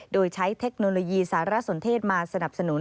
โดยใช้เทคโนโลยีสารสนเทศมาสนับสนุน